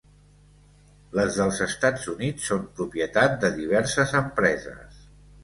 Les dels Estats Units són propietat de diverses empreses.